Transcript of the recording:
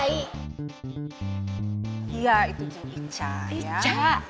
iya itu juga ica ya